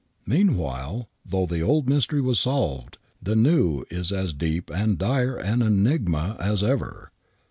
Meanwhile, though the old mystery was solved, the new is as deep and dire an enigma as ever.